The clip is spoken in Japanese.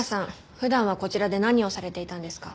普段はこちらで何をされていたんですか？